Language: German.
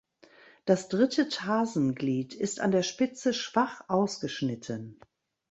Das dritte Tarsenglied ist an der Spitze schwach ausgeschnitten.